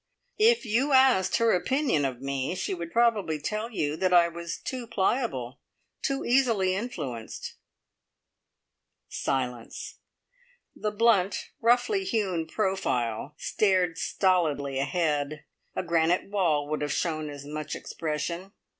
If you asked her opinion of me, she would probably tell you that I was too pliable too easily influenced." Silence. The blunt, roughly hewn profile stared stolidly ahead. A granite wall would have shown as much expression.